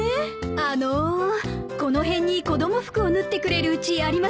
あのうこの辺に子供服を縫ってくれるうちありませんか？